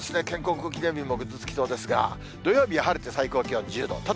建国記念日もぐずつきそうですが、土曜日は晴れて最高気温１０度。